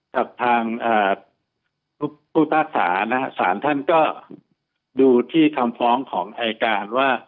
กับทางอ่าฟื้นภาษานะฮะศาลท่านก็ดูที่คำฟ้องของอายการ